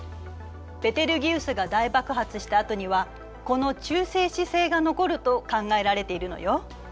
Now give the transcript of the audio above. ベテルギウスが大爆発したあとにはこの中性子星が残ると考えられているのよ。